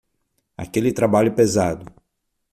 Aquele trabalho pesado